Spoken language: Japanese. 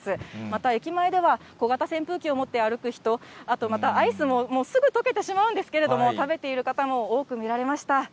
また、駅前では小型扇風機を持って歩く人、あとアイスも、もうすぐとけてしまうんですけれども、食べている方も多く見られました。